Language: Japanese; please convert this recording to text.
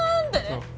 そう。